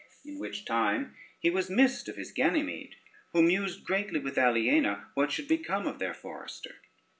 In which time he was missed of his Ganymede, who mused greatly, with Aliena, what should become of their forester.